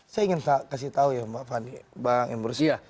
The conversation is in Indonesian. saya ingin kasih tau ya mbak fanny bang imbrus